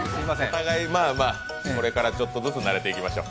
お互い、まあまあこれからちょっとずつ慣れていきましょう。